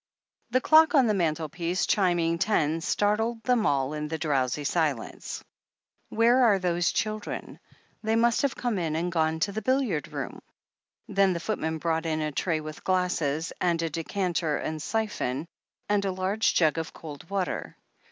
The clock on tfie mantelpiece chiming ten startled them all in the drowsy silence. "Where are those children? They must have come in, and gone to the biUiard room." Then the footman brought in a tray with glasses, and a decanter and syphon, and a large jug of cold water.